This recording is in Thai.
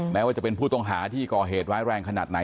แม้ว่าจะเป็นผู้ต้องหาที่ก่อเหตุร้ายแรงขนาดไหน